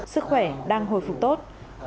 sức khỏe đang hồi phục tốt